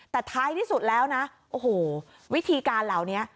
แต่ท้ายที่สุดแล้วนะโอ้โหวิธีการเหล่านี้